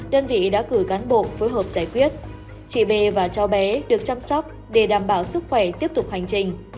đơn vị đã cử cán bộ phối hợp giải quyết chị b và cháu bé được chăm sóc để đảm bảo sức khỏe tiếp tục hành trình